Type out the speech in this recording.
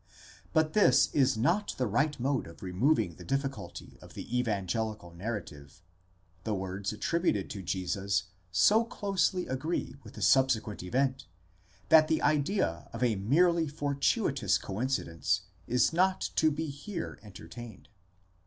But this is not the right mode of removing the difficulty of the evangelical narrative. The words attributed to Jesus so closely agree with the subsequent event, that the idea of a merely fortuitous coincidence is not to be here entertained.